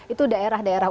itu daerah dari banten